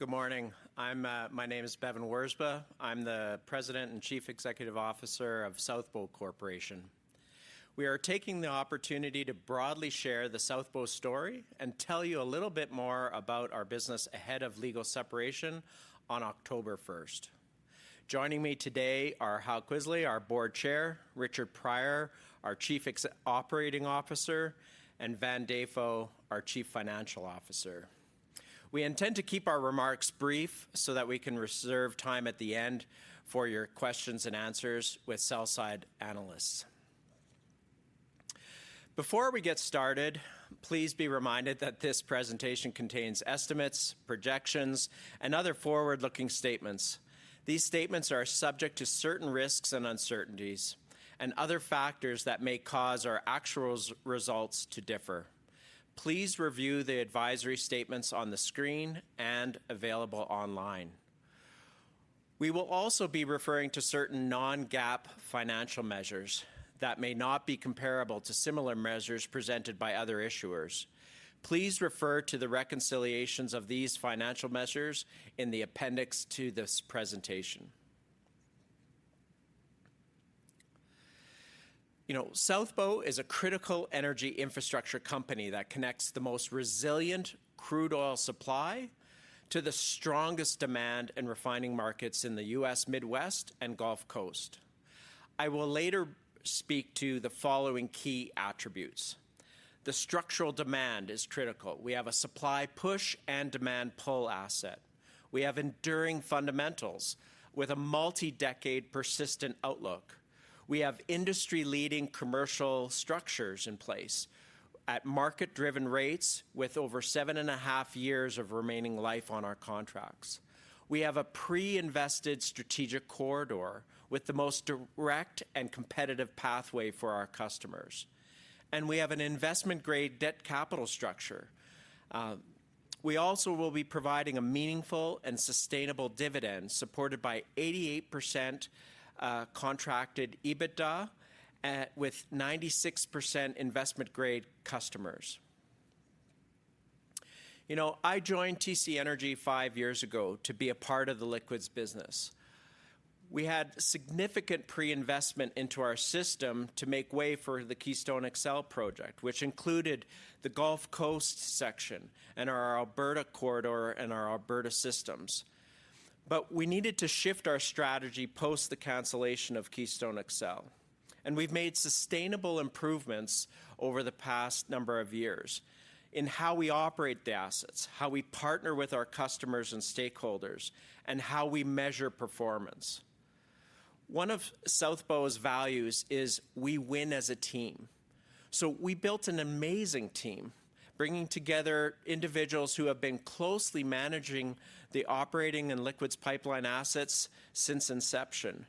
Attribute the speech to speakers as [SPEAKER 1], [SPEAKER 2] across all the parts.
[SPEAKER 1] Good morning. I'm, my name is Bevin Wirzba. I'm the President and Chief Executive Officer of South Bow Corporation. We are taking the opportunity to broadly share the South Bow story and tell you a little bit more about our business ahead of legal separation on October first. Joining me today are Hal Kvisle, our Board Chair, Richard Prior, our Chief Operating Officer, and Van Dafoe, our Chief Financial Officer. We intend to keep our remarks brief so that we can reserve time at the end for your questions and answers with sell-side analysts. Before we get started, please be reminded that this presentation contains estimates, projections, and other forward-looking statements. These statements are subject to certain risks and uncertainties and other factors that may cause our actual results to differ. Please review the advisory statements on the screen and available online. We will also be referring to certain non-GAAP financial measures that may not be comparable to similar measures presented by other issuers. Please refer to the reconciliations of these financial measures in the appendix to this presentation. You know, South Bow is a critical energy infrastructure company that connects the most resilient crude oil supply to the strongest demand in refining markets in the U.S. Midwest and Gulf Coast. I will later speak to the following key attributes. The structural demand is critical. We have a supply push and demand pull asset. We have enduring fundamentals with a multi-decade persistent outlook. We have industry-leading commercial structures in place at market-driven rates, with over seven and a half years of remaining life on our contracts. We have a pre-invested strategic corridor with the most direct and competitive pathway for our customers, and we have an investment-grade debt capital structure. We also will be providing a meaningful and sustainable dividend, supported by 88% contracted EBITDA, with 96% investment-grade customers. You know, I joined TC Energy five years ago to be a part of the liquids business. We had significant pre-investment into our system to make way for the Keystone XL project, which included the Gulf Coast section and our Alberta corridor and our Alberta systems. But we needed to shift our strategy post the cancellation of Keystone XL, and we've made sustainable improvements over the past number of years in how we operate the assets, how we partner with our customers and stakeholders, and how we measure performance. One of South Bow's values is we win as a team. So we built an amazing team, bringing together individuals who have been closely managing the operating and liquids pipeline assets since inception.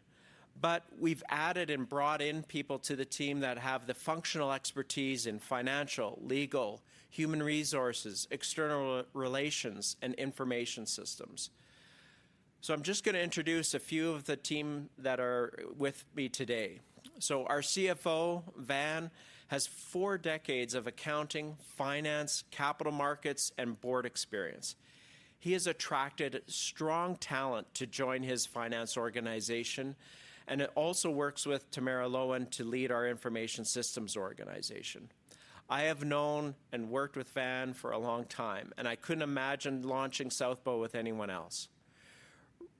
[SPEAKER 1] But we've added and brought in people to the team that have the functional expertise in financial, legal, human resources, external relations, and information systems. So I'm just gonna introduce a few of the team that are with me today. So our CFO, Van, has four decades of accounting, finance, capital markets, and board experience. He has attracted strong talent to join his finance organization, and he also works with Tamara Loewen to lead our information systems organization. I have known and worked with Van for a long time, and I couldn't imagine launching South Bow with anyone else.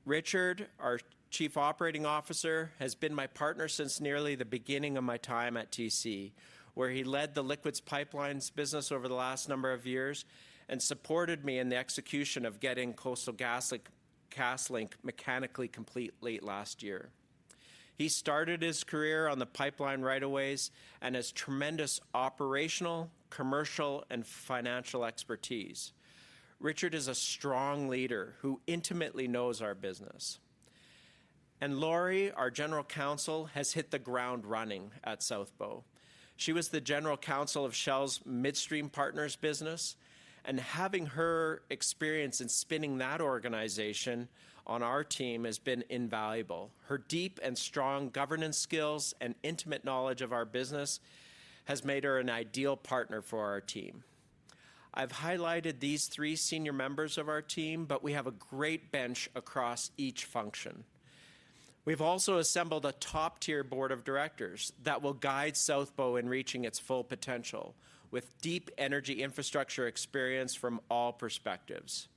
[SPEAKER 1] Richard, our Chief Operating Officer, has been my partner since nearly the beginning of my time at TC, where he led the liquids pipelines business over the last number of years and supported me in the execution of getting Coastal GasLink mechanically complete late last year. He started his career on the pipeline right of ways and has tremendous operational, commercial, and financial expertise. Richard is a strong leader who intimately knows our business. Lori, our General Counsel, has hit the ground running at South Bow. She was the General Counsel of Shell Midstream Partners business, and having her experience in spinning that organization on our team has been invaluable. Her deep and strong governance skills and intimate knowledge of our business has made her an ideal partner for our team. I've highlighted these three senior members of our team, but we have a great bench across each function. We've also assembled a top-tier board of directors that will guide South Bow in reaching its full potential, with deep energy infrastructure experience from all perspectives.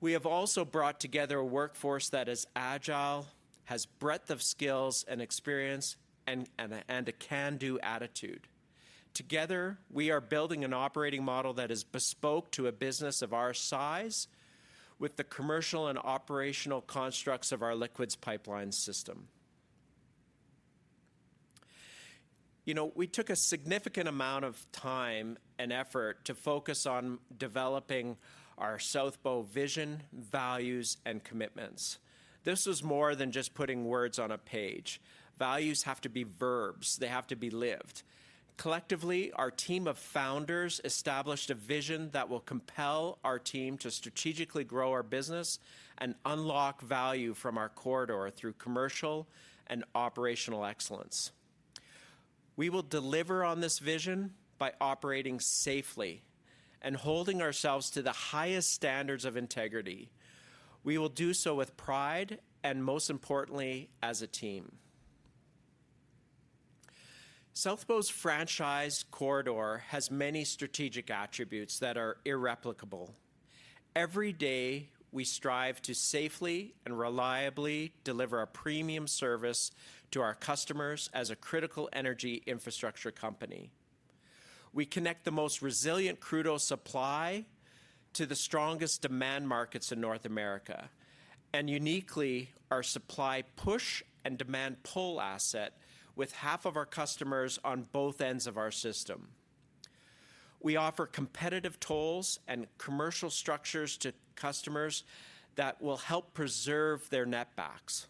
[SPEAKER 1] We have also brought together a workforce that is agile, has breadth of skills and experience, and a can-do attitude. Together, we are building an operating model that is bespoke to a business of our size, with the commercial and operational constructs of our liquids pipeline system. You know, we took a significant amount of time and effort to focus on developing our South Bow vision, values, and commitments. This was more than just putting words on a page. Values have to be verbs. They have to be lived. Collectively, our team of founders established a vision that will compel our team to strategically grow our business and unlock value from our corridor through commercial and operational excellence. We will deliver on this vision by operating safely and holding ourselves to the highest standards of integrity. We will do so with pride, and most importantly, as a team. South Bow's franchise corridor has many strategic attributes that are irreplicable. Every day, we strive to safely and reliably deliver a premium service to our customers as a critical energy infrastructure company. We connect the most resilient crude oil supply to the strongest demand markets in North America, and uniquely, our supply push and demand pull asset, with half of our customers on both ends of our system. We offer competitive tolls and commercial structures to customers that will help preserve their netbacks.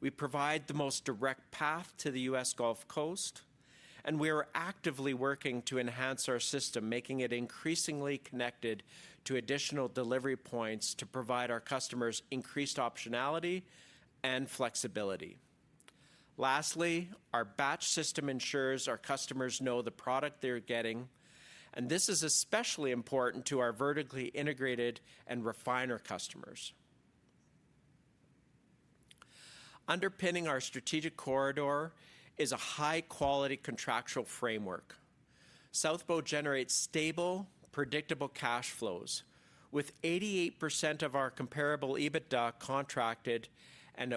[SPEAKER 1] We provide the most direct path to the U.S. Gulf Coast, and we are actively working to enhance our system, making it increasingly connected to additional delivery points to provide our customers increased optionality and flexibility. Lastly, our batch system ensures our customers know the product they're getting, and this is especially important to our vertically integrated and refiner customers. Underpinning our strategic corridor is a high-quality contractual framework. South Bow generates stable, predictable cash flows, with 88% of our comparable EBITDA contracted and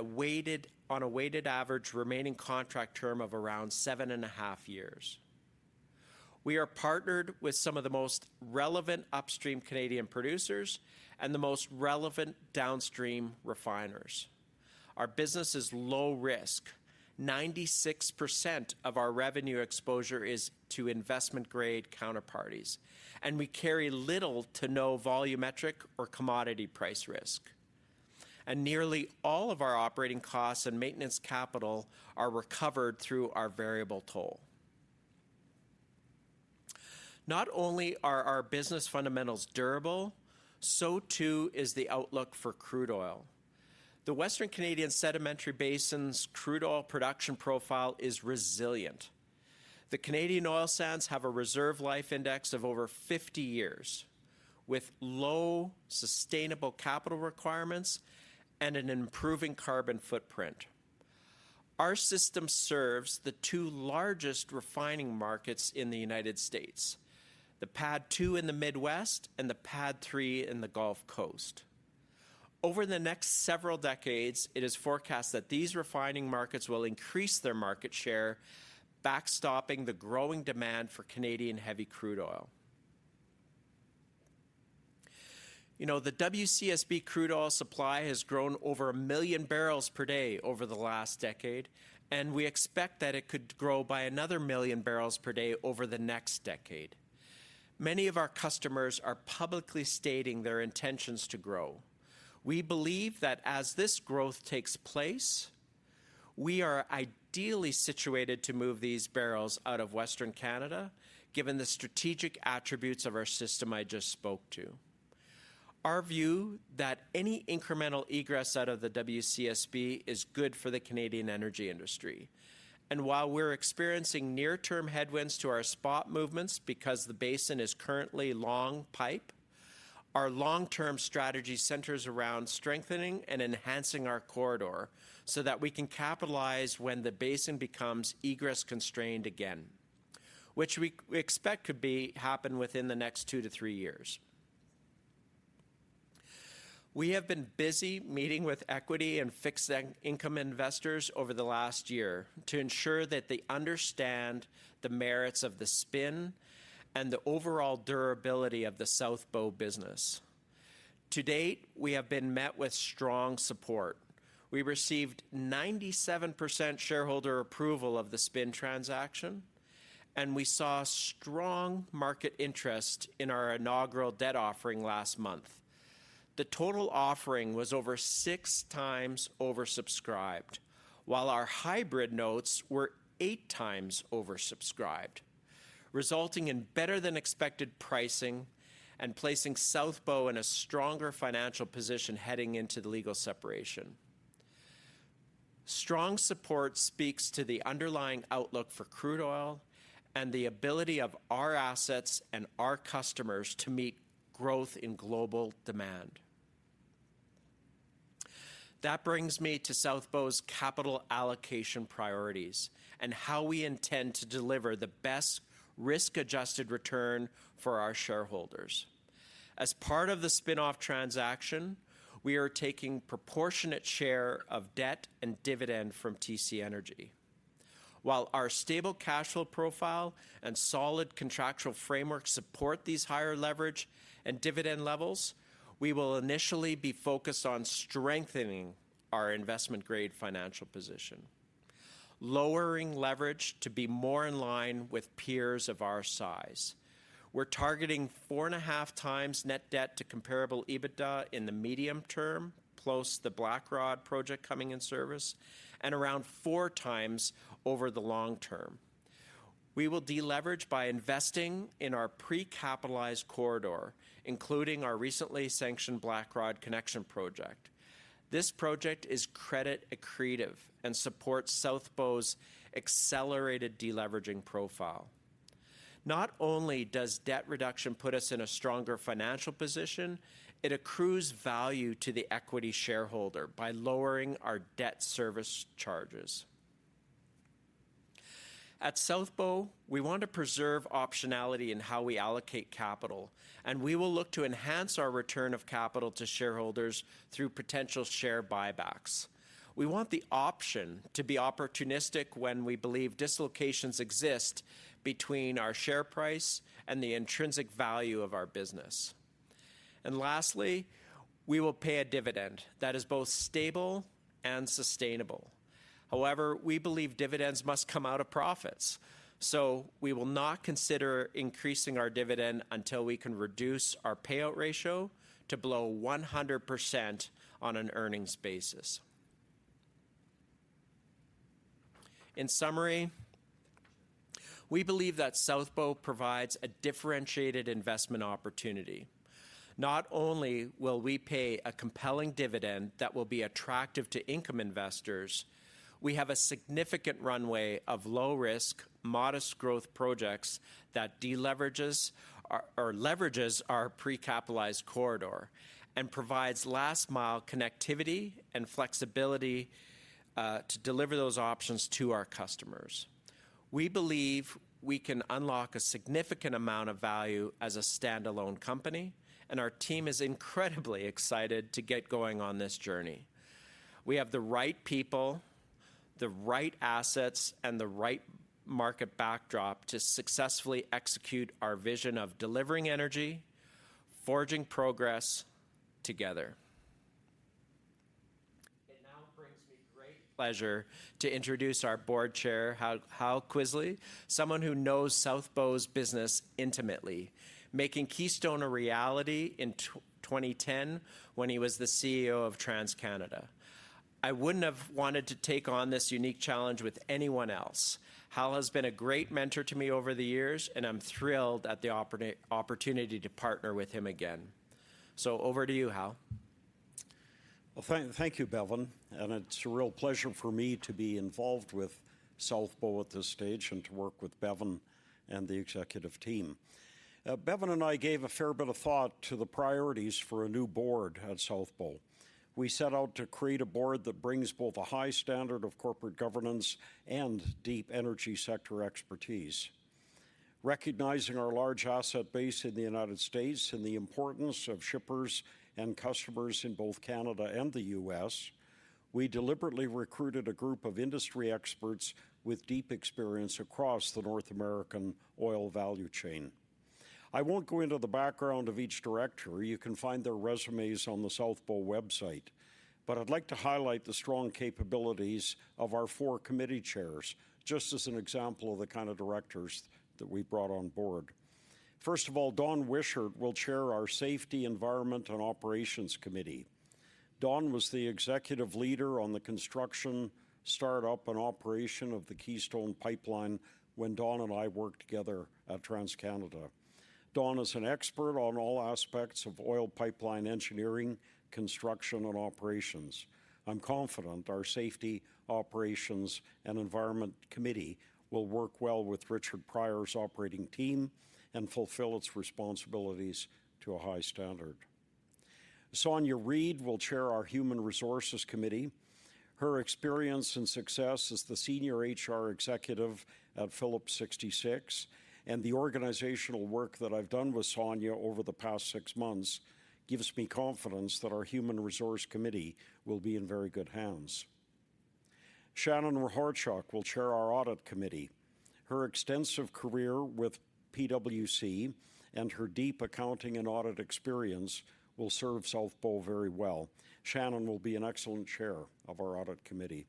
[SPEAKER 1] a weighted average remaining contract term of around seven and a half years. We are partnered with some of the most relevant upstream Canadian producers and the most relevant downstream refiners. Our business is low risk. 96% of our revenue exposure is to investment-grade counterparties, and we carry little to no volumetric or commodity price risk, and nearly all of our operating costs and maintenance capital are recovered through our variable toll. Not only are our business fundamentals durable, so too is the outlook for crude oil. The Western Canadian Sedimentary Basin's crude oil production profile is resilient. The Canadian oil sands have a reserve life index of over 50 years, with low sustainable capital requirements and an improving carbon footprint. Our system serves the two largest refining markets in the United States: the PADD 2 in the Midwest and the PADD 3 in the Gulf Coast. Over the next several decades, it is forecast that these refining markets will increase their market share, backstopping the growing demand for Canadian heavy crude oil. You know, the WCSB crude oil supply has grown over a million barrels per day over the last decade, and we expect that it could grow by another million barrels per day over the next decade. Many of our customers are publicly stating their intentions to grow. We believe that as this growth takes place, we are ideally situated to move these barrels out of Western Canada, given the strategic attributes of our system I just spoke to. Our view, that any incremental egress out of the WCSB is good for the Canadian energy industry. While we're experiencing near-term headwinds to our spot movements because the basin is currently long pipe, our long-term strategy centers around strengthening and enhancing our corridor so that we can capitalize when the basin becomes egress-constrained again, which we expect could happen within the next two to three years. We have been busy meeting with equity and fixed-income investors over the last year to ensure that they understand the merits of the spin and the overall durability of the South Bow business. To date, we have been met with strong support. We received 97% shareholder approval of the spin transaction, and we saw strong market interest in our inaugural debt offering last month. The total offering was over six times oversubscribed, while our hybrid notes were eight times oversubscribed, resulting in better-than-expected pricing and placing South Bow in a stronger financial position heading into the legal separation. Strong support speaks to the underlying outlook for crude oil and the ability of our assets and our customers to meet growth in global demand. That brings me to South Bow's capital allocation priorities and how we intend to deliver the best risk-adjusted return for our shareholders. As part of the spin-off transaction, we are taking proportionate share of debt and dividend from TC Energy. While our stable cash flow profile and solid contractual framework support these higher leverage and dividend levels, we will initially be focused on strengthening our investment-grade financial position, lowering leverage to be more in line with peers of our size. We're targeting four and a half times net debt to comparable EBITDA in the medium term, plus the Blackrod project coming in service, and around four times over the long term. We will deleverage by investing in our pre-capitalized corridor, including our recently sanctioned Blackrod Connection Project. This project is credit accretive and supports South Bow's accelerated deleveraging profile. Not only does debt reduction put us in a stronger financial position, it accrues value to the equity shareholder by lowering our debt service charges. At South Bow, we want to preserve optionality in how we allocate capital, and we will look to enhance our return of capital to shareholders through potential share buybacks. We want the option to be opportunistic when we believe dislocations exist between our share price and the intrinsic value of our business. And lastly, we will pay a dividend that is both stable and sustainable. However, we believe dividends must come out of profits, so we will not consider increasing our dividend until we can reduce our payout ratio to below 100% on an earnings basis. In summary, we believe that South Bow provides a differentiated investment opportunity. Not only will we pay a compelling dividend that will be attractive to income investors, we have a significant runway of low-risk, modest growth projects that deleverages our or leverages our pre-capitalized corridor and provides last-mile connectivity and flexibility to deliver those options to our customers. We believe we can unlock a significant amount of value as a standalone company, and our team is incredibly excited to get going on this journey. We have the right people, the right assets, and the right market backdrop to successfully execute our vision of delivering energy, forging progress together. It now brings me great pleasure to introduce our Board Chair, Hal Kvisle, someone who knows South Bow's business intimately, making Keystone a reality in 2010 when he was the CEO of TransCanada. I wouldn't have wanted to take on this unique challenge with anyone else. Hal has been a great mentor to me over the years, and I'm thrilled at the opportunity to partner with him again, so over to you, Hal.
[SPEAKER 2] Thank you, Bevin, and it's a real pleasure for me to be involved with South Bow at this stage and to work with Bevin and the executive team. Bevin and I gave a fair bit of thought to the priorities for a new board at South Bow. We set out to create a board that brings both a high standard of corporate governance and deep energy sector expertise. Recognizing our large asset base in the United States and the importance of shippers and customers in both Canada and the U.S., we deliberately recruited a group of industry experts with deep experience across the North American oil value chain. I won't go into the background of each director. You can find their resumes on the South Bow website, but I'd like to highlight the strong capabilities of our four committee chairs, just as an example of the kind of directors that we brought on board. First of all, Don Wishart will chair our Safety, Environment, and Operations Committee. Don was the executive leader on the construction, startup, and operation of the Keystone Pipeline when Don and I worked together at TransCanada. Don is an expert on all aspects of oil pipeline engineering, construction, and operations. I'm confident our Safety, Operations, and Environment Committee will work well with Richard Prior's operating team and fulfill its responsibilities to a high standard. Sonja Reed will chair our Human Resources Committee. Her experience and success as the senior HR executive at Phillips 66, and the organizational work that I've done with Sonja over the past six months, gives me confidence that our Human Resource Committee will be in very good hands. Shannon Ryhorchuk will chair our Audit Committee. Her extensive career with PwC and her deep accounting and audit experience will serve South Bow very well. Shannon will be an excellent chair of our Audit Committee.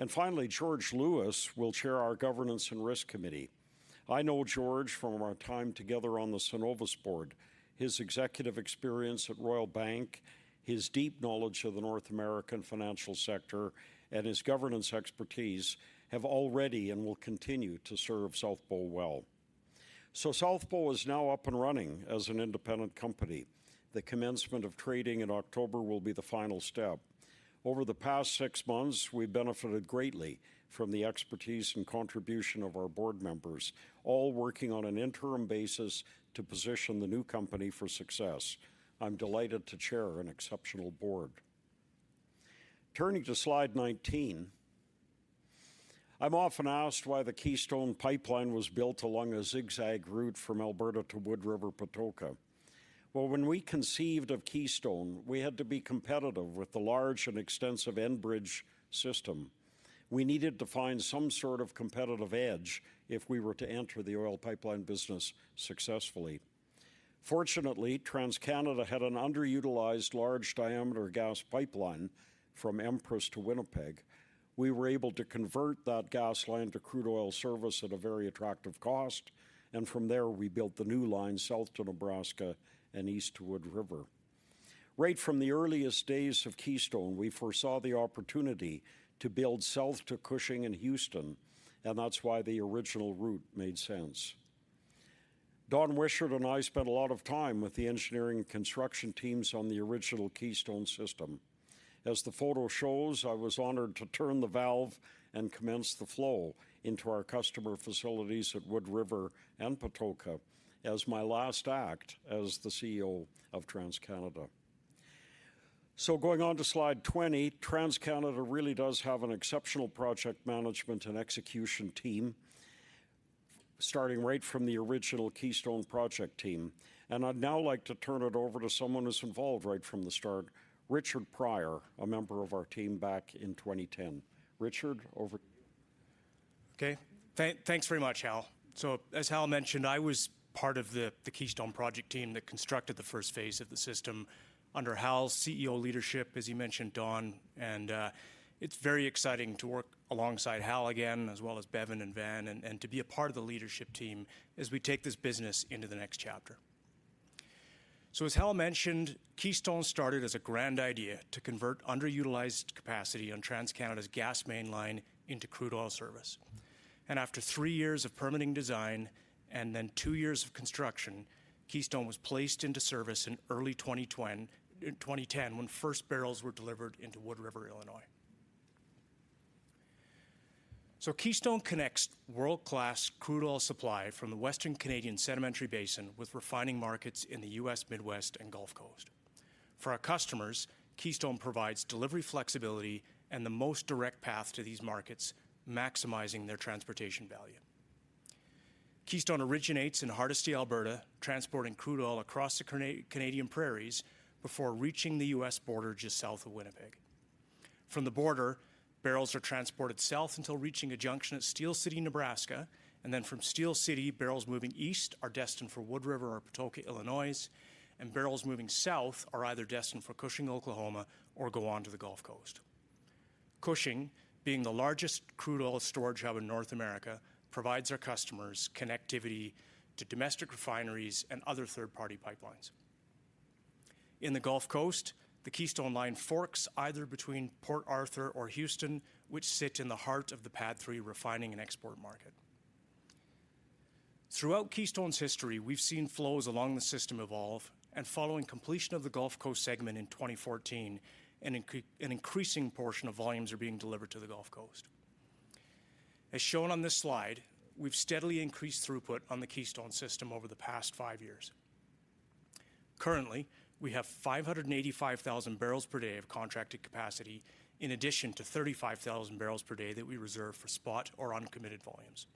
[SPEAKER 2] And finally, George Lewis will chair our Governance and Risk Committee. I know George from our time together on the Cenovus board. His executive experience at Royal Bank, his deep knowledge of the North American financial sector, and his governance expertise have already and will continue to serve South Bow well. So South Bow is now up and running as an independent company. The commencement of trading in October will be the final step. Over the past six months, we've benefited greatly from the expertise and contribution of our board members, all working on an interim basis to position the new company for success. I'm delighted to chair an exceptional board. Turning to slide 19, I'm often asked why the Keystone Pipeline was built along a zigzag route from Alberta to Wood River, Patoka. Well, when we conceived of Keystone, we had to be competitive with the large and extensive Enbridge system. We needed to find some sort of competitive edge if we were to enter the oil pipeline business successfully. Fortunately, TransCanada had an underutilized, large-diameter gas pipeline from Empress to Winnipeg. We were able to convert that gas line to crude oil service at a very attractive cost, and from there, we built the new line south to Nebraska and east to Wood River... Right from the earliest days of Keystone, we foresaw the opportunity to build south to Cushing in Houston, and that's why the original route made sense. Don Wishart and I spent a lot of time with the engineering and construction teams on the original Keystone system. As the photo shows, I was honored to turn the valve and commence the flow into our customer facilities at Wood River and Patoka as my last act as the CEO of TransCanada. So going on to slide 20, TransCanada really does have an exceptional project management and execution team, starting right from the original Keystone project team. And I'd now like to turn it over to someone who's involved right from the start, Richard Prior, a member of our team back in 2010. Richard, over to you.
[SPEAKER 3] Okay. Thanks very much, Hal. As Hal mentioned, I was part of the Keystone project team that constructed the first phase of the system under Hal's CEO leadership, as he mentioned, Don, and it's very exciting to work alongside Hal again, as well as Bevin and Van, and to be a part of the leadership team as we take this business into the next chapter. As Hal mentioned, Keystone started as a grand idea to convert underutilized capacity on TransCanada's gas mainline into crude oil service. And after three years of permitting design and then two years of construction, Keystone was placed into service in early 2010, when first barrels were delivered into Wood River, Illinois. So Keystone connects world-class crude oil supply from the Western Canadian Sedimentary Basin with refining markets in the U.S. Midwest and Gulf Coast. For our customers, Keystone provides delivery flexibility and the most direct path to these markets, maximizing their transportation value. Keystone originates in Hardisty, Alberta, transporting crude oil across the Canadian prairies before reaching the U.S. border just south of Winnipeg. From the border, barrels are transported south until reaching a junction at Steele City, Nebraska, and then from Steele City, barrels moving east are destined for Wood River or Patoka, Illinois, and barrels moving south are either destined for Cushing, Oklahoma, or go on to the Gulf Coast. Cushing, being the largest crude oil storage hub in North America, provides our customers connectivity to domestic refineries and other third-party pipelines. In the Gulf Coast, the Keystone line forks either between Port Arthur or Houston, which sit in the heart of the PADD 3 refining and export market. Throughout Keystone's history, we've seen flows along the system evolve, and following completion of the Gulf Coast segment in 2014, an increasing portion of volumes are being delivered to the Gulf Coast. As shown on this slide, we've steadily increased throughput on the Keystone system over the past five years. Currently, we have 585,000 barrels per day of contracted capacity, in addition to 35,000 barrels per day that we reserve for spot or uncommitted volumes.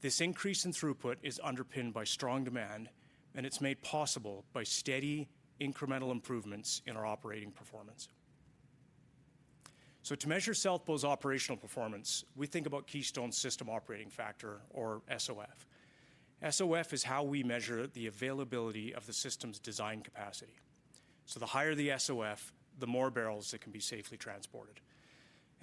[SPEAKER 3] This increase in throughput is underpinned by strong demand, and it's made possible by steady, incremental improvements in our operating performance. So to measure South Bow's operational performance, we think about Keystone's system operating factor, or SOF. SOF is how we measure the availability of the system's design capacity. So the higher the SOF, the more barrels that can be safely transported.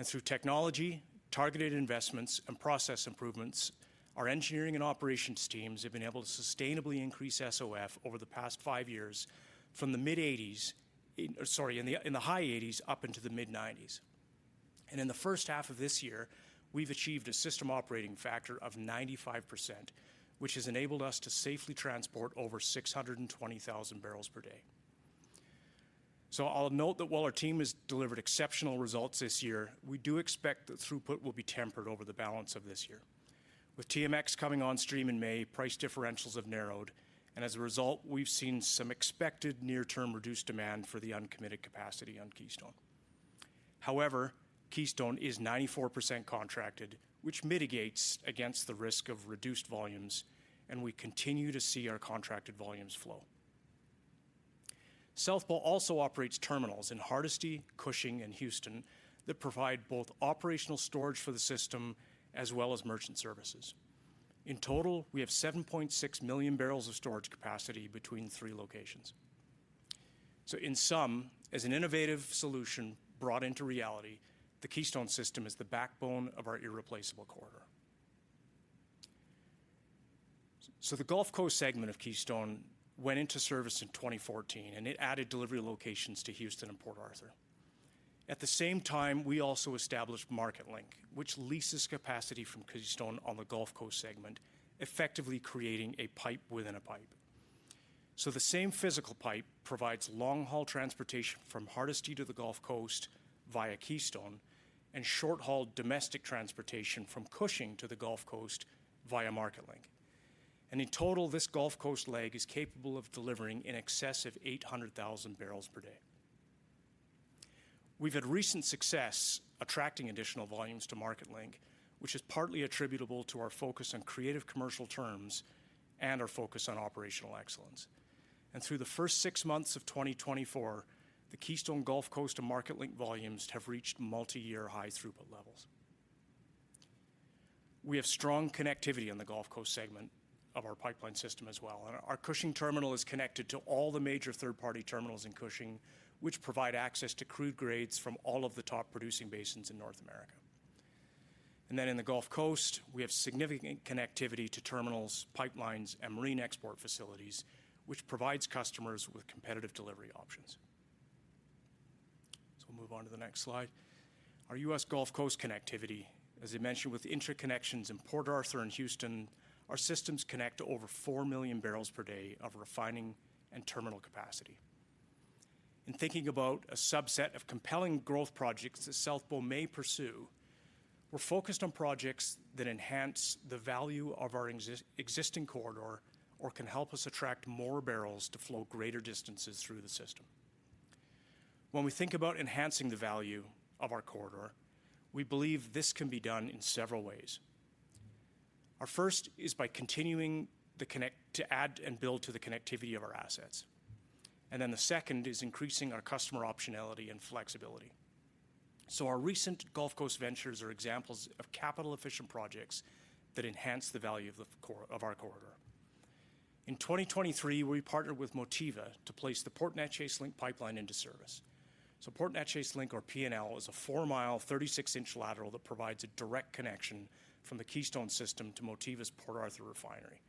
[SPEAKER 3] Through technology, targeted investments, and process improvements, our engineering and operations teams have been able to sustainably increase SOF over the past five years from the high eighties up into the mid-90s. In the first half of this year, we've achieved a system operating factor of 95%, which has enabled us to safely transport over 620,000 barrels per day. I'll note that while our team has delivered exceptional results this year, we do expect that throughput will be tempered over the balance of this year. With TMX coming on stream in May, price differentials have narrowed, and as a result, we've seen some expected near-term reduced demand for the uncommitted capacity on Keystone. However, Keystone is 94% contracted, which mitigates against the risk of reduced volumes, and we continue to see our contracted volumes flow. South Bow also operates terminals in Hardisty, Cushing, and Houston that provide both operational storage for the system as well as merchant services. In total, we have 7.6 million barrels of storage capacity between three locations. So in sum, as an innovative solution brought into reality, the Keystone system is the backbone of our irreplaceable corridor. So the Gulf Coast segment of Keystone went into service in 2014, and it added delivery locations to Houston and Port Arthur. At the same time, we also established Marketlink, which leases capacity from Keystone on the Gulf Coast segment, effectively creating a pipe within a pipe. So the same physical pipe provides long-haul transportation from Hardisty to the Gulf Coast via Keystone and short-haul domestic transportation from Cushing to the Gulf Coast via Marketlink. And in total, this Gulf Coast leg is capable of delivering in excess of 800,000 barrels per day. We've had recent success attracting additional volumes to Marketlink, which is partly attributable to our focus on creative commercial terms and our focus on operational excellence. And through the first six months of 2024, the Keystone Gulf Coast and Marketlink volumes have reached multiyear high throughput levels. We have strong connectivity on the Gulf Coast segment of our pipeline system as well, and our Cushing terminal is connected to all the major third-party terminals in Cushing, which provide access to crude grades from all of the top-producing basins in North America... Then in the Gulf Coast, we have significant connectivity to terminals, pipelines, and marine export facilities, which provides customers with competitive delivery options. So we'll move on to the next slide. Our U.S. Gulf Coast connectivity, as I mentioned, with interconnections in Port Arthur and Houston, our systems connect to over four million barrels per day of refining and terminal capacity. In thinking about a subset of compelling growth projects that South Bow may pursue, we're focused on projects that enhance the value of our existing corridor or can help us attract more barrels to flow greater distances through the system. When we think about enhancing the value of our corridor, we believe this can be done in several ways. Our first is by continuing to add and build to the connectivity of our assets, and then the second is increasing our customer optionality and flexibility. Our recent Gulf Coast ventures are examples of capital-efficient projects that enhance the value of the cor-- of our corridor. In 2023, we partnered with Motiva to place the Port Neches Link pipeline into service. Port Neches Link, or PNL, is a 4-mile, 36-inch lateral that provides a direct connection from the Keystone system to Motiva's Port Arthur refinery.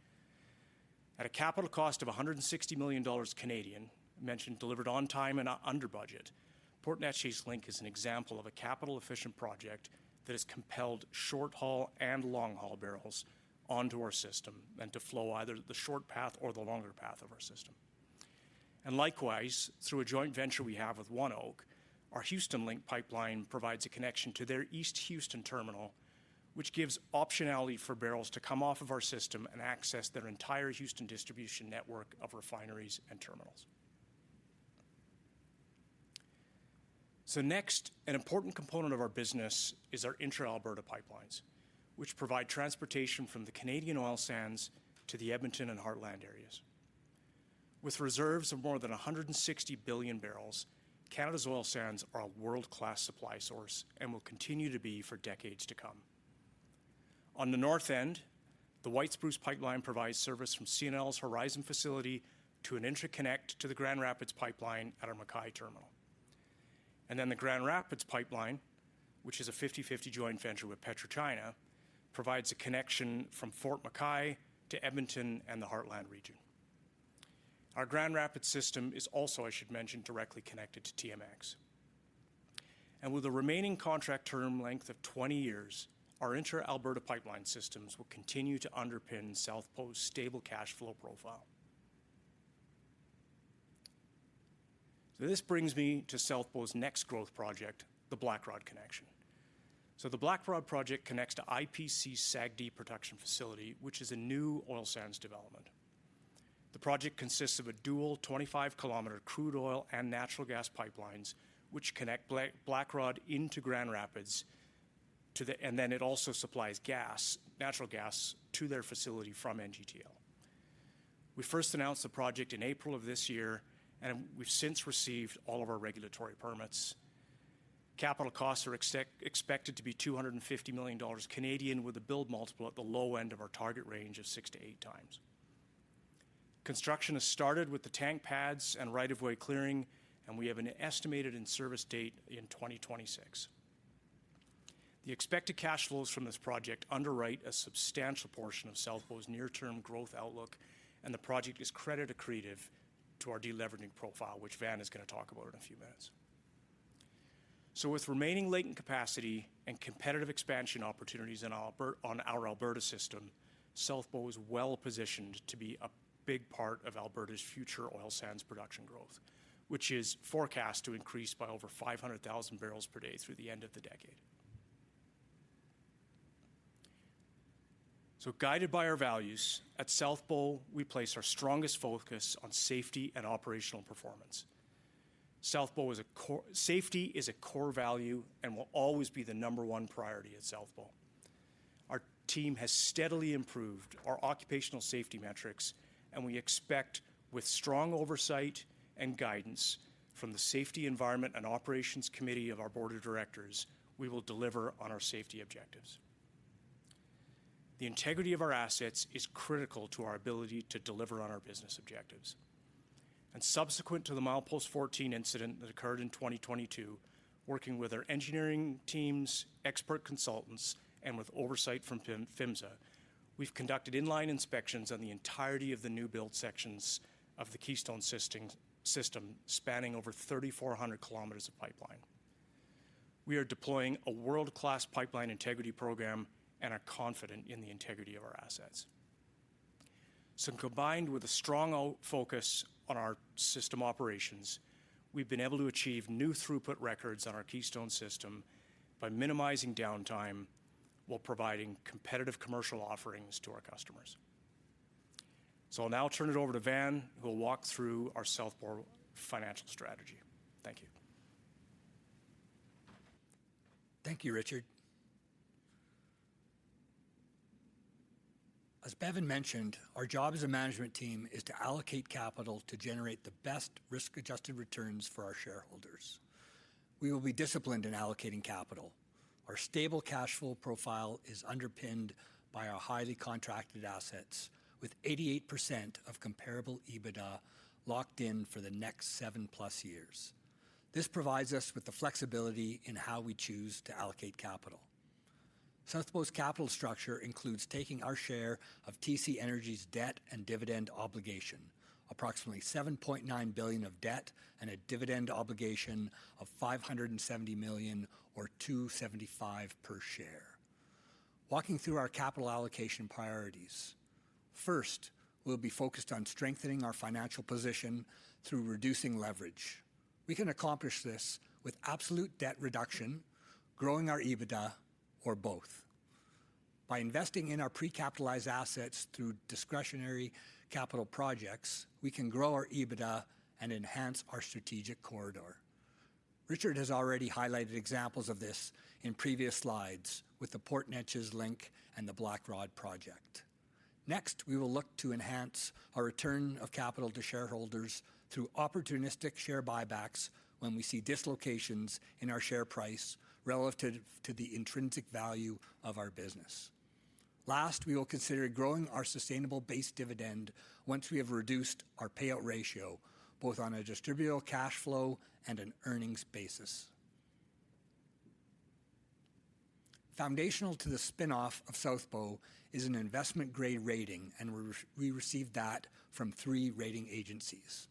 [SPEAKER 3] At a capital cost of 160 million Canadian dollars, mentioned delivered on time and under budget, Port Neches Link is an example of a capital-efficient project that has compelled short-haul and long-haul barrels onto our system and to flow either the short path or the longer path of our system. Likewise, through a joint venture we have with ONEOK, our Houston Link pipeline provides a connection to their East Houston terminal, which gives optionality for barrels to come off of our system and access their entire Houston distribution network of refineries and terminals. Next, an important component of our business is our intra-Alberta pipelines, which provide transportation from the Canadian oil sands to the Edmonton and Heartland areas. With reserves of more than 160 billion barrels, Canada's oil sands are a world-class supply source and will continue to be for decades to come. On the north end, the White Spruce Pipeline provides service from CNRL's Horizon facility to an interconnect to the Grand Rapids Pipeline at our Fort Mackay terminal. Then the Grand Rapids Pipeline, which is a 50-50 joint venture with PetroChina, provides a connection from Fort Mackay to Edmonton and the Heartland region. Our Grand Rapids system is also, I should mention, directly connected to TMX. And with a remaining contract term length of 20 years, our intra-Alberta pipeline systems will continue to underpin South Bow's stable cash flow profile. So this brings me to South Bow's next growth project, the Blackrod Connection. So the Blackrod project connects to IPC's SAGD production facility, which is a new oil sands development. The project consists of dual 25-kilometer crude oil and natural gas pipelines, which connect Blackrod into Grand Rapids, and then it also supplies natural gas to their facility from NGTL. We first announced the project in April of this year, and we've since received all of our regulatory permits. Capital costs are expected to be 250 million Canadian dollars, with a build multiple at the low end of our target range of 6-8 times. Construction has started with the tank pads and right-of-way clearing, and we have an estimated in-service date in 2026. The expected cash flows from this project underwrite a substantial portion of South Bow's near-term growth outlook, and the project is credit accretive to our deleveraging profile, which Van is going to talk about in a few minutes. So with remaining latent capacity and competitive expansion opportunities on our Alberta system, South Bow is well-positioned to be a big part of Alberta's future oil sands production growth, which is forecast to increase by over 500,000 barrels per day through the end of the decade. Guided by our values, at South Bow, we place our strongest focus on safety and operational performance. Safety is a core value and will always be the number one priority at South Bow. Our team has steadily improved our occupational safety metrics, and we expect, with strong oversight and guidance from the Safety, Environment, and Operations Committee of our board of directors, we will deliver on our safety objectives. The integrity of our assets is critical to our ability to deliver on our business objectives. Subsequent to the Milepost 14 incident that occurred in 2022, working with our engineering teams, expert consultants, and with oversight from PHMSA, we've conducted in-line inspections on the entirety of the new build sections of the Keystone System, spanning over 3,400 km of pipeline. We are deploying a world-class pipeline integrity program and are confident in the integrity of our assets. Combined with a strong focus on our system operations, we've been able to achieve new throughput records on our Keystone system by minimizing downtime while providing competitive commercial offerings to our customers. I'll now turn it over to Van, who will walk through our South Bow financial strategy. Thank you.
[SPEAKER 4] Thank you, Richard. As Bevin mentioned, our job as a management team is to allocate capital to generate the best risk-adjusted returns for our shareholders. We will be disciplined in allocating capital. Our stable cash flow profile is underpinned by our highly contracted assets, with 88% of comparable EBITDA locked in for the next seven-plus years. This provides us with the flexibility in how we choose to allocate capital. South Bow's capital structure includes taking our share of TC Energy's debt and dividend obligation, approximately $7.9 billion of debt and a dividend obligation of $570 million, or $2.75 per share. Walking through our capital allocation priorities, first, we'll be focused on strengthening our financial position through reducing leverage. We can accomplish this with absolute debt reduction, growing our EBITDA, or both. By investing in our pre-capitalized assets through discretionary capital projects, we can grow our EBITDA and enhance our strategic corridor. Richard has already highlighted examples of this in previous slides with the Port Neches Link and the Blackrod project. Next, we will look to enhance our return of capital to shareholders through opportunistic share buybacks when we see dislocations in our share price relative to the intrinsic value of our business. Last, we will consider growing our sustainable base dividend once we have reduced our payout ratio, both on a distributable cash flow and an earnings basis. Foundational to the spin-off of South Bow is an investment-grade rating, and we received that from three rating agencies.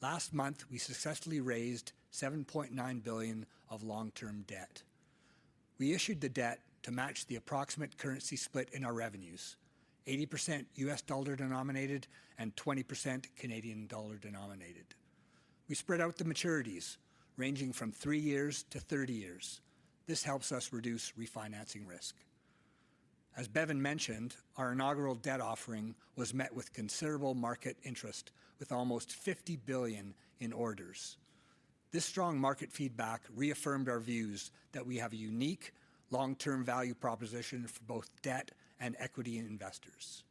[SPEAKER 4] Last month, we successfully raised $7.9 billion of long-term debt. We issued the debt to match the approximate currency split in our revenues: 80% US dollar denominated and 20% Canadian dollar denominated. We spread out the maturities, ranging from 3 years to 30 years. This helps us reduce refinancing risk. As Bevin mentioned, our inaugural debt offering was met with considerable market interest, with almost $50 billion in orders. This strong market feedback reaffirmed our views that we have a unique long-term value proposition for both debt and equity investors.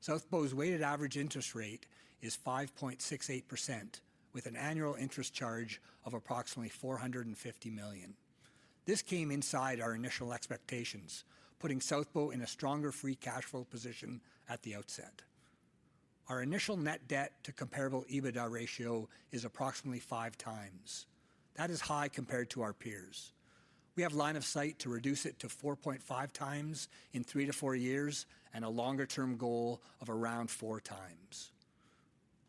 [SPEAKER 4] South Bow's weighted average interest rate is 5.68%, with an annual interest charge of approximately $450 million. This came inside our initial expectations, putting South Bow in a stronger free cash flow position at the outset. Our initial net debt to comparable EBITDA ratio is approximately 5 times. That is high compared to our peers. We have line of sight to reduce it to 4.5 times in 3-4 years, and a longer-term goal of around 4 times.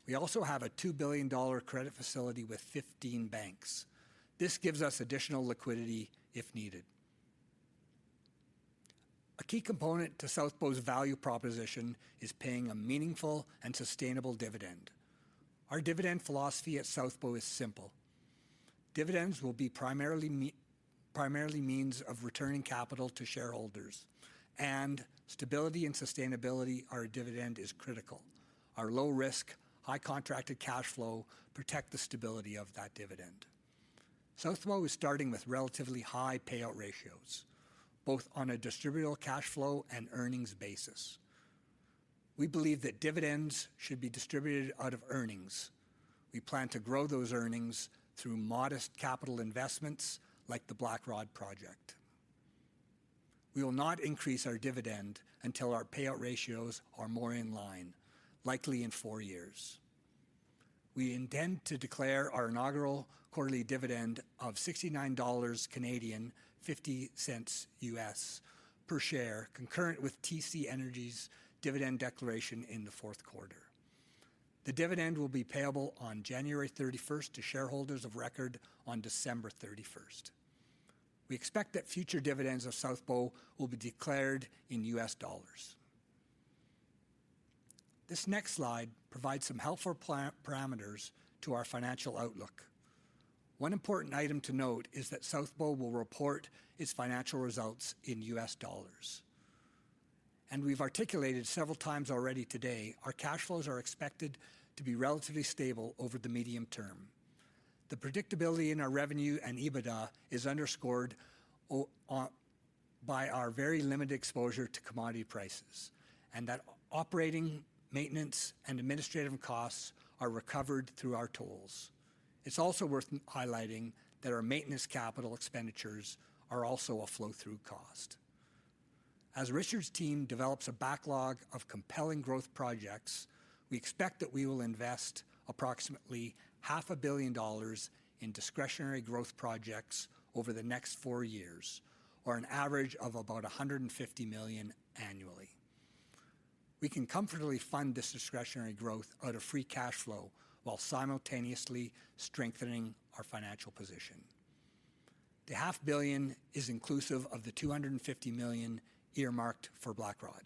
[SPEAKER 4] We also have a $2 billion credit facility with 15 banks. This gives us additional liquidity if needed. A key component to South Bow's value proposition is paying a meaningful and sustainable dividend. Our dividend philosophy at South Bow is simple: dividends will be primarily means of returning capital to shareholders, and stability and sustainability of our dividend is critical. Our low risk, high contracted cash flow protect the stability of that dividend. South Bow is starting with relatively high payout ratios, both on a distributable cash flow and earnings basis. We believe that dividends should be distributed out of earnings. We plan to grow those earnings through modest capital investments like the Blackrod project. We will not increase our dividend until our payout ratios are more in line, likely in four years. We intend to declare our inaugural quarterly dividend of 69 Canadian dollars, $0.50 per share, concurrent with TC Energy's dividend declaration in the fourth quarter. The dividend will be payable on January 31st to shareholders of record on December 31st. We expect that future dividends of South Bow will be declared in US dollars. This next slide provides some helpful parameters to our financial outlook. One important item to note is that South Bow will report its financial results in US dollars. We've articulated several times already today, our cash flows are expected to be relatively stable over the medium term. The predictability in our revenue and EBITDA is underscored by our very limited exposure to commodity prices, and that operating, maintenance, and administrative costs are recovered through our tolls. It's also worth highlighting that our maintenance capital expenditures are also a flow-through cost. As Richard's team develops a backlog of compelling growth projects, we expect that we will invest approximately $500 million in discretionary growth projects over the next four years, or an average of about $150 million annually. We can comfortably fund this discretionary growth out of free cash flow while simultaneously strengthening our financial position. The $500 million is inclusive of the $250 million earmarked for Blackrod.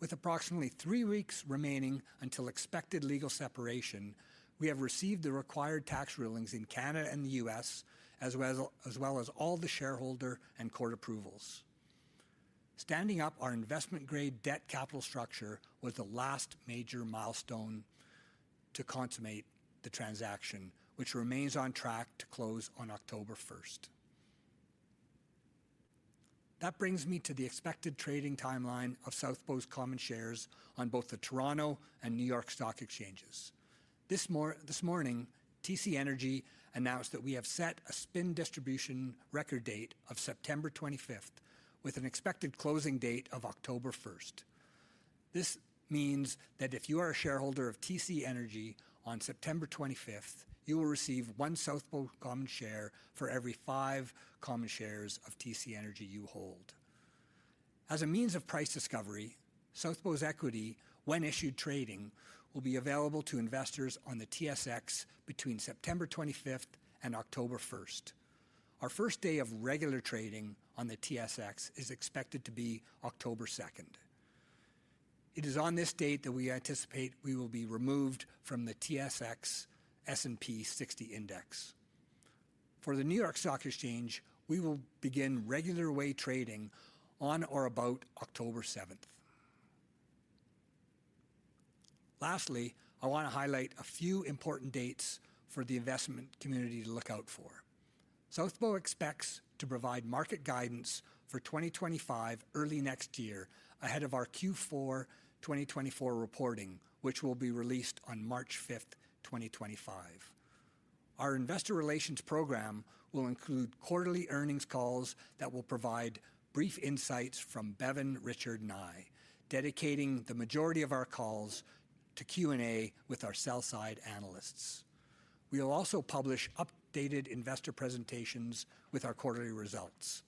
[SPEAKER 4] With approximately three weeks remaining until expected legal separation, we have received the required tax rulings in Canada and the U.S., as well as all the shareholder and court approvals. Standing up our investment-grade debt capital structure was the last major milestone to consummate the transaction, which remains on track to close on October 1st. That brings me to the expected trading timeline of South Bow's common shares on both the Toronto and New York Stock Exchanges. This morning, TC Energy announced that we have set a spin distribution record date of September 25th, with an expected closing date of October 1st. This means that if you are a shareholder of TC Energy on September 25th, you will receive one South Bow common share for every five common shares of TC Energy you hold. As a means of price discovery, South Bow's equity, when issued trading, will be available to investors on the TSX between September 25th and October 1st. Our first day of regular trading on the TSX is expected to be October 2nd. It is on this date that we anticipate we will be removed from the TSX S&P 60 Index. For the New York Stock Exchange, we will begin regular way trading on or about October 7th. Lastly, I want to highlight a few important dates for the investment community to look out for. South Bow expects to provide market guidance for 2025 early next year, ahead of our Q4 2024 reporting, which will be released on March 5th, 2025. Our investor relations program will include quarterly earnings calls that will provide brief insights from Bevin, Richard, and I, dedicating the majority of our calls to Q&A with our sell-side analysts. We will also publish updated investor presentations with our quarterly results.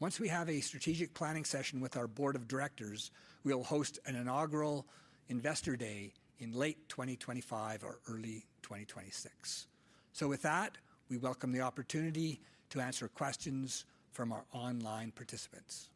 [SPEAKER 4] Once we have a strategic planning session with our board of directors, we will host an inaugural Investor Day in late 2025 or early 2026. With that, we welcome the opportunity to answer questions from our online participants.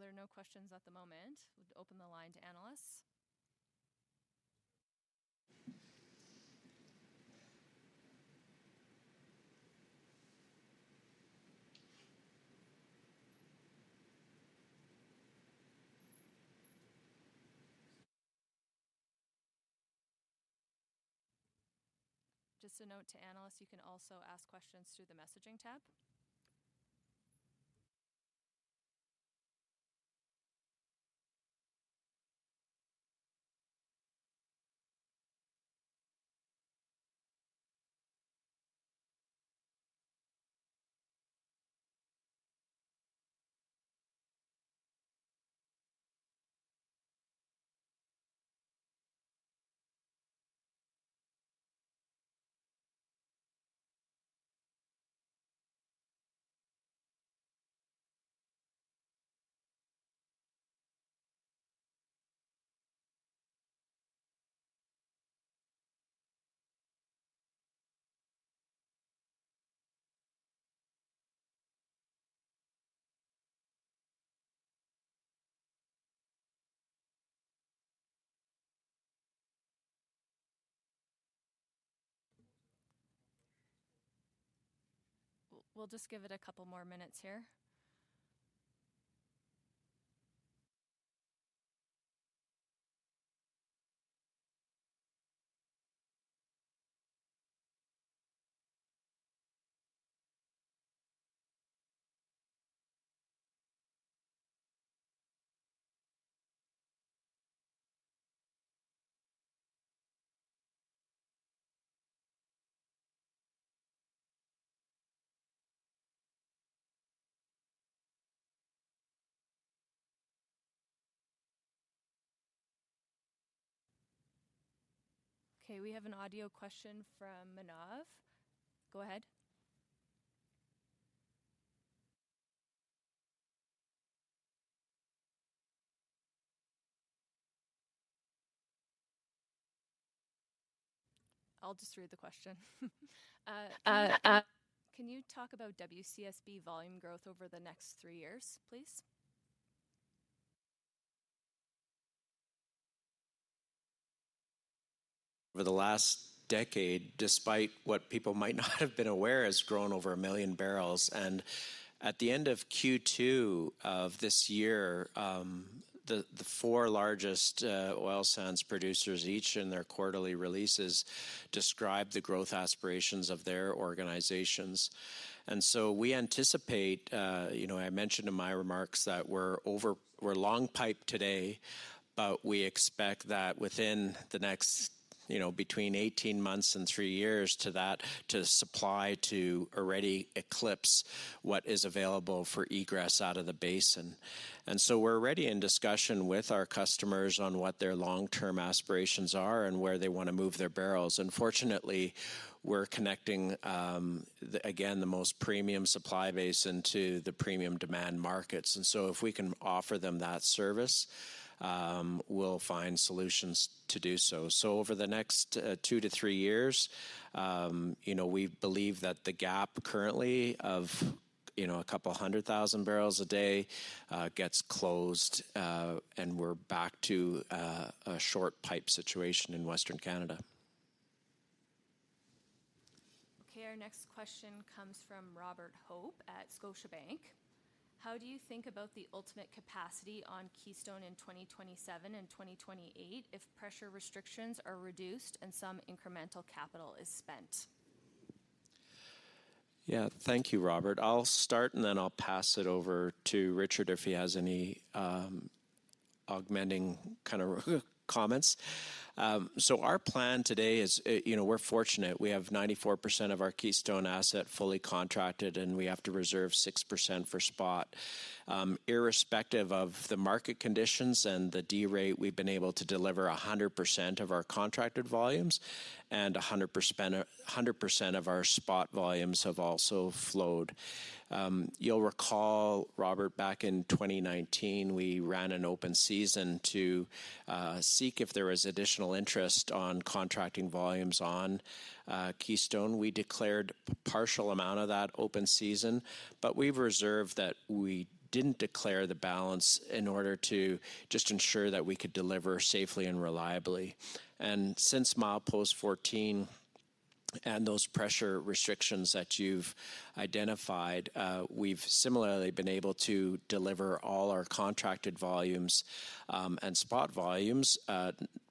[SPEAKER 5] There are no questions at the moment. We'll open the line to analysts. Just a note to analysts, you can also ask questions through the messaging tab. We'll just give it a couple more minutes here. Okay, we have an audio question from Manav. Go ahead. I'll just read the question. Can you talk about WCSB volume growth over the next three years, please?
[SPEAKER 1] Over the last decade, despite what people might not have been aware, has grown over a million barrels, and at the end of Q2 of this year, the four largest oil sands producers, each in their quarterly releases, described the growth aspirations of their organizations. And so we anticipate, you know, I mentioned in my remarks that we're long pipe today, but we expect that within the next, you know, between 18 months and three years to that, to supply to already eclipse what is available for egress out of the basin. And so we're already in discussion with our customers on what their long-term aspirations are and where they want to move their barrels. And fortunately, we're connecting, again, the most premium supply basin to the premium demand markets. And so if we can offer them that service, we'll find solutions to do so. So over the next two to three years, you know, we believe that the gap currently of you know a couple hundred thousand barrels a day gets closed, and we're back to a short pipe situation in Western Canada.
[SPEAKER 5] Okay, our next question comes from Robert Hope at Scotiabank. How do you think about the ultimate capacity on Keystone in 2027 and 2028 if pressure restrictions are reduced and some incremental capital is spent?
[SPEAKER 1] Yeah. Thank you, Robert. I'll start, and then I'll pass it over to Richard if he has any augmenting kind of comments. So our plan today is, you know, we're fortunate. We have 94% of our Keystone asset fully contracted, and we have to reserve 6% for spot. Irrespective of the market conditions and the D rate, we've been able to deliver 100% of our contracted volumes, and a hundred percent, hundred percent of our spot volumes have also flowed. You'll recall, Robert, back in 2019, we ran an open season to seek if there was additional interest on contracting volumes on Keystone. We declared partial amount of that open season, but we've reserved that we didn't declare the balance in order to just ensure that we could deliver safely and reliably. And since milepost 14 and those pressure restrictions that you've identified, we've similarly been able to deliver all our contracted volumes and spot volumes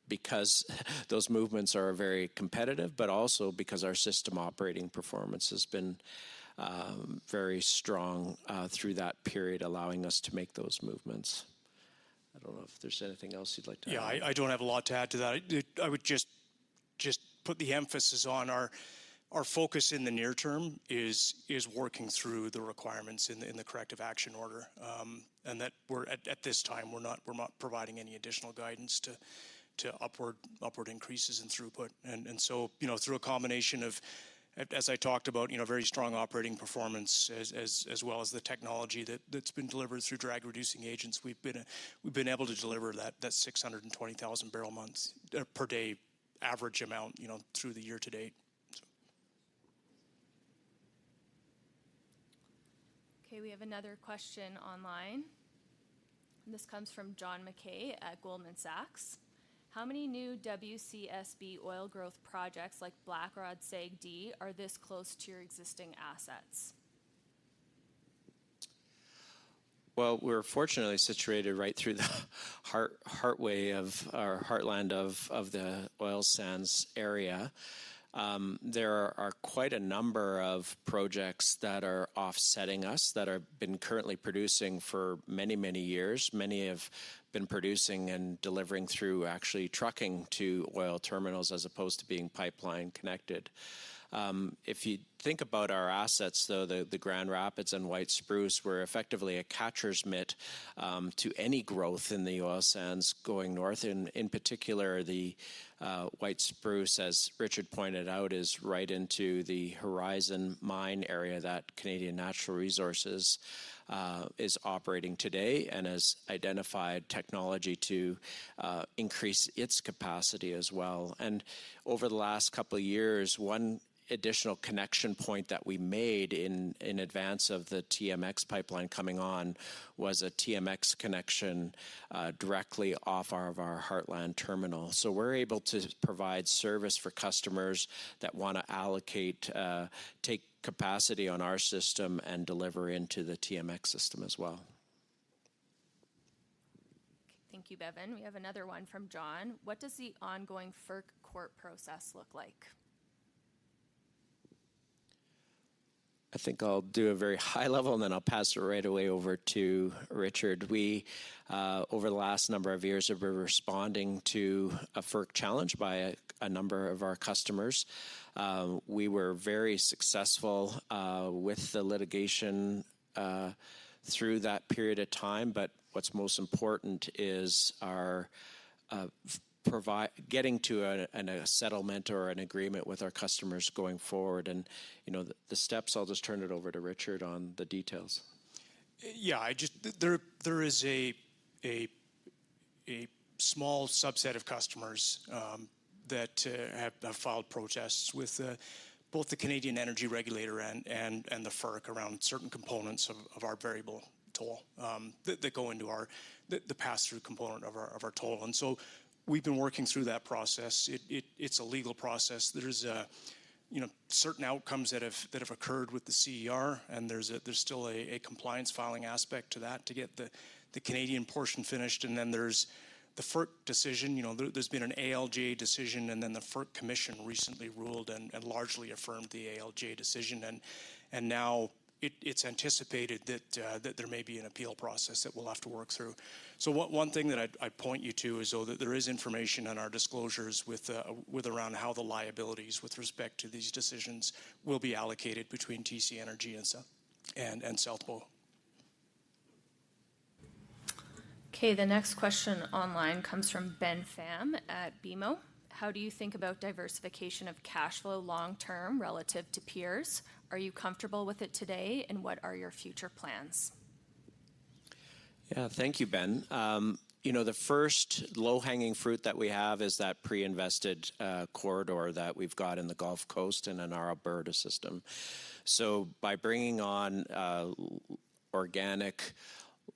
[SPEAKER 1] because those movements are very competitive, but also because our system operating performance has been very strong through that period, allowing us to make those movements. I don't know if there's anything else you'd like to add.
[SPEAKER 3] Yeah, I don't have a lot to add to that. I would just put the emphasis on our focus in the near term is working through the requirements in the corrective action order, and that we're at this time, we're not providing any additional guidance to upward increases in throughput. And so, you know, through a combination of, as I talked about, you know, very strong operating performance as well as the technology that's been delivered through drag-reducing agents, we've been able to deliver that 620,000 barrels per day average amount, you know, through the year to date. So...
[SPEAKER 5] Okay, we have another question online. This comes from John Mackay at Goldman Sachs. How many new WCSB oil growth projects like Blackrod SAGD are this close to your existing assets?
[SPEAKER 1] We're fortunately situated right through the heartland of the oil sands area. There are quite a number of projects that are offsetting us, that have been currently producing for many, many years. Many have been producing and delivering through actually trucking to oil terminals, as opposed to being pipeline connected. If you think about our assets, though, the Grand Rapids and White Spruce were effectively a catcher's mitt to any growth in the oil sands going North. And in particular, the White Spruce, as Richard pointed out, is right into the Horizon mine area that Canadian Natural Resources is operating today and has identified technology to increase its capacity as well. Over the last couple of years, one additional connection point that we made in advance of the TMX pipeline coming on was a TMX connection directly off of our Heartland terminal. We're able to provide service for customers that wanna allocate, take capacity on our system and deliver into the TMX system as well.
[SPEAKER 5] Thank you, Bevin. We have another one from John: What does the ongoing FERC court process look like?
[SPEAKER 1] I think I'll do a very high level, and then I'll pass it right away over to Richard. We over the last number of years have been responding to a FERC challenge by a number of our customers. We were very successful with the litigation through that period of time, but what's most important is our getting to a settlement or an agreement with our customers going forward, and you know, the steps. I'll just turn it over to Richard on the details.
[SPEAKER 3] Yeah, I just... There is a small subset of customers that have filed protests with both the Canada Energy Regulator and the FERC around certain components of our variable toll that go into our the pass-through component of our toll. So we've been working through that process. It's a legal process. There's you know, certain outcomes that have occurred with the CER, and there's still a compliance filing aspect to that to get the Canadian portion finished, and then there's the FERC decision. You know, there's been an ALJ decision, and then the FERC commission recently ruled and largely affirmed the ALJ decision. And now it's anticipated that there may be an appeal process that we'll have to work through. So one thing that I'd point you to is, though, that there is information on our disclosures regarding how the liabilities with respect to these decisions will be allocated between TC Energy and South Bow.
[SPEAKER 5] Okay, the next question online comes from Ben Pham at BMO: How do you think about diversification of cash flow long term relative to peers? Are you comfortable with it today, and what are your future plans?
[SPEAKER 1] Yeah. Thank you, Ben. You know, the first low-hanging fruit that we have is that pre-invested corridor that we've got in the Gulf Coast and in our Alberta system. So by bringing on organic,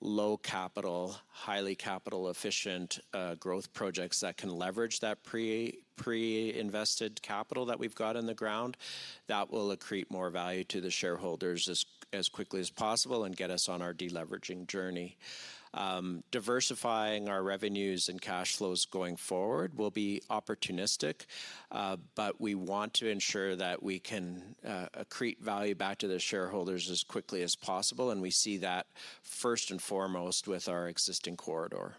[SPEAKER 1] low capital, highly capital-efficient growth projects that can leverage that pre-invested capital that we've got in the ground, that will accrete more value to the shareholders as quickly as possible and get us on our deleveraging journey. Diversifying our revenues and cash flows going forward will be opportunistic, but we want to ensure that we can accrete value back to the shareholders as quickly as possible, and we see that first and foremost with our existing corridor.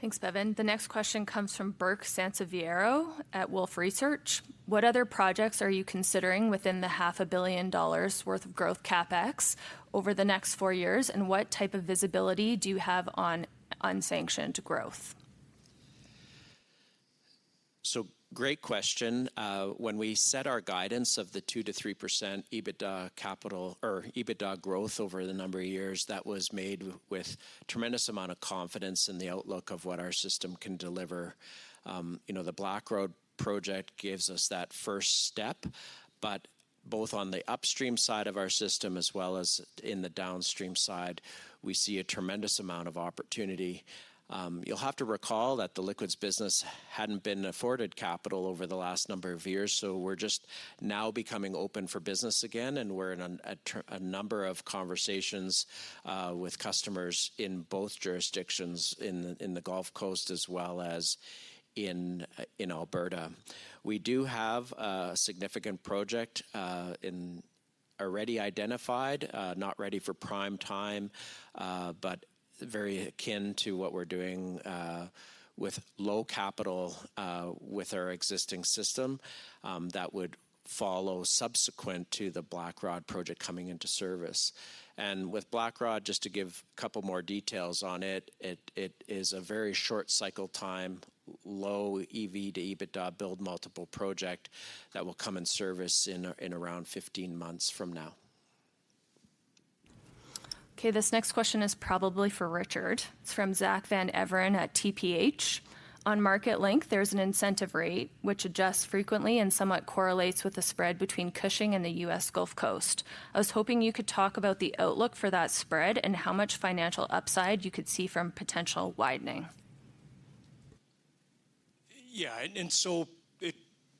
[SPEAKER 5] Thanks, Bevin. The next question comes from Burke Sanseviero at Wolfe Research. What other projects are you considering within the $500 million worth of growth CapEx over the next four years, and what type of visibility do you have on unsanctioned growth?
[SPEAKER 1] Great question. When we set our guidance of the 2-3% EBITDA capital or EBITDA growth over the number of years, that was made with tremendous amount of confidence in the outlook of what our system can deliver. You know, the Blackrod project gives us that first step, but both on the upstream side of our system as well as in the downstream side, we see a tremendous amount of opportunity. You'll have to recall that the liquids business hadn't been afforded capital over the last number of years, so we're just now becoming open for business again, and we're in a number of conversations with customers in both jurisdictions, in the Gulf Coast as well as in Alberta. We do have a significant project in...already identified, not ready for prime time, but very akin to what we're doing, with low capital, with our existing system, that would follow subsequent to the Blackrod project coming into service. With Blackrod, just to give a couple more details on it, it is a very short cycle time, low EV to EBITDA build multiple project that will come in service in around 15 months from now.
[SPEAKER 5] Okay, this next question is probably for Richard. It's from Zack Van Everen at TPH: On Marketlink, there's an incentive rate which adjusts frequently and somewhat correlates with the spread between Cushing and the U.S. Gulf Coast. I was hoping you could talk about the outlook for that spread and how much financial upside you could see from potential widening.
[SPEAKER 3] Yeah, and, and so it--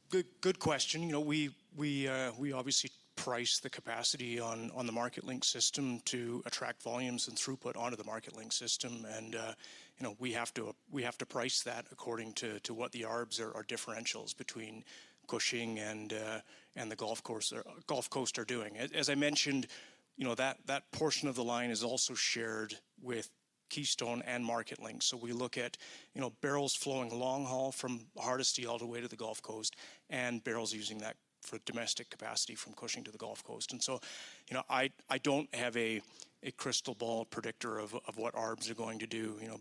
[SPEAKER 3] good, good question. You know, we, we, we obviously price the capacity on the Marketlink system to attract volumes and throughput onto the Marketlink system, and, you know, we have to, we have to price that according to, to what the arbs or, or differentials between Cushing and, and the Gulf Coast are doing. As, as I mentioned, you know, that, that portion of the line is also shared with Keystone and MarketLink. So we look at, you know, barrels flowing long haul from Hardisty all the way to the Gulf Coast and barrels using that for domestic capacity from Cushing to the Gulf Coast. And so, you know, I, I don't have a, a crystal ball predictor of, of what arbs are going to do, you know,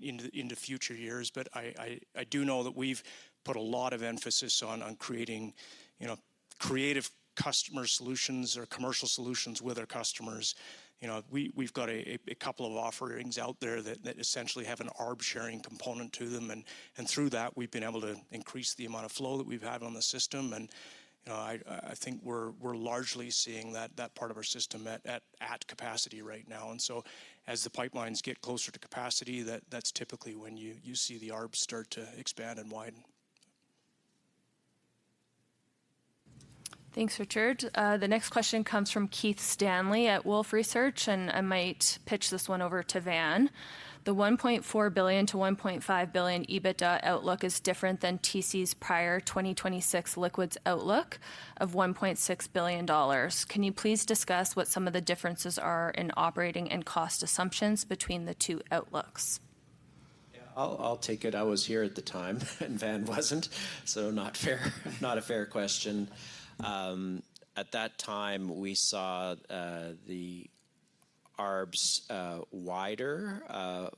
[SPEAKER 3] in the, in the future years. But I do know that we've put a lot of emphasis on creating, you know, creative customer solutions or commercial solutions with our customers. You know, we've got a couple of offerings out there that essentially have an arb-sharing component to them, and through that, we've been able to increase the amount of flow that we've had on the system. And, you know, I think we're largely seeing that part of our system at capacity right now. And so, as the pipelines get closer to capacity, that's typically when you see the arbs start to expand and widen.
[SPEAKER 5] Thanks, Richard. The next question comes from Keith Stanley at Wolfe Research, and I might pitch this one over to Van. The $1.4 billion-$1.5 billion EBITDA outlook is different than TC's prior 2026 liquids outlook of $1.6 billion. Can you please discuss what some of the differences are in operating and cost assumptions between the two outlooks?
[SPEAKER 1] Yeah, I'll take it. I was here at the time and Van wasn't, so not fair. Not a fair question. At that time, we saw the arbs wider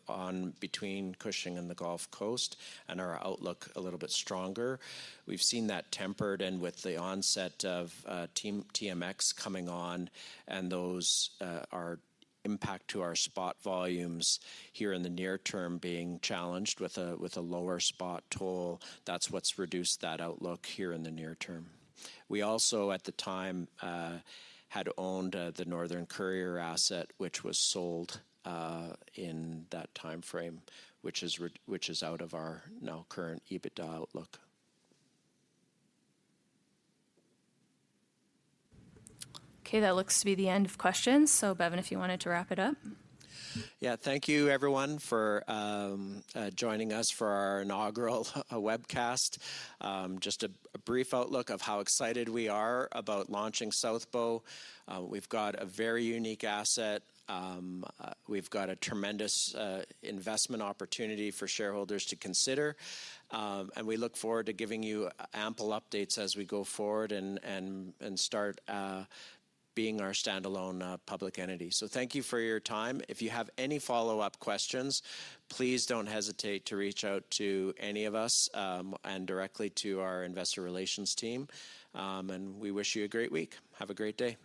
[SPEAKER 1] on between Cushing and the Gulf Coast, and our outlook a little bit stronger. We've seen that tempered and with the onset of TMX coming on, and those are impact to our spot volumes here in the near term being challenged with a lower spot toll. That's what's reduced that outlook here in the near term. We also, at the time, had owned the Northern Courier asset, which was sold in that timeframe, which is out of our now current EBITDA outlook.
[SPEAKER 5] Okay, that looks to be the end of questions. So Bevin, if you wanted to wrap it up?
[SPEAKER 1] Yeah. Thank you, everyone, for joining us for our inaugural webcast. Just a brief outlook of how excited we are about launching South Bow. We've got a very unique asset. We've got a tremendous investment opportunity for shareholders to consider. And we look forward to giving you ample updates as we go forward and start being our standalone public entity. So thank you for your time. If you have any follow-up questions, please don't hesitate to reach out to any of us and directly to our investor relations team. And we wish you a great week. Have a great day.